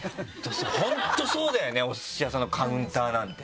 本当そうだよねお寿司屋さんのカウンターなんて。